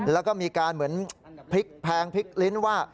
แล้วก็มีการเหมือนพลิกแพงพลิกลิ้นว่า